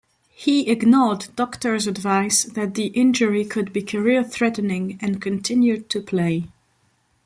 He ignored doctors' advice that the injury could be career-threatening and continued to play.